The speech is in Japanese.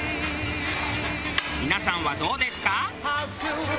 皆さんはどうですか？